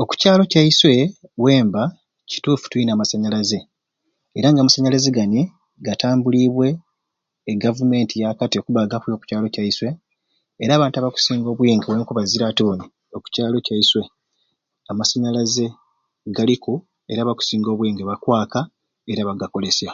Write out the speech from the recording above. Oku kyalo kyaiswe wemba kituufu tulina amasanyalaze era nga amasanyalaze gani gatambulibwe e government yakati okuba nga gakwika oku kyalo kyaiswe era abantu abakusinga obwingi wenkubazira ati buni oku kyalo kyaiswe amasanyalaze galiku era abakusinga obwingi bakwaka era bagakolesya